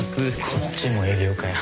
こっちも営業かよ。